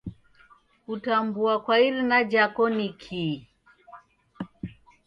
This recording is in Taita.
Kutambua kwa irina jako nikii?